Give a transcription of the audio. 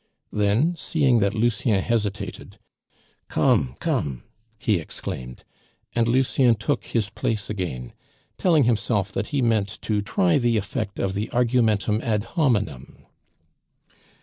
Then, seeing that Lucien hesitated, "Come! come!" he exclaimed, and Lucien took his place again, telling himself that he meant to try the effect of the argumentum ad hominem.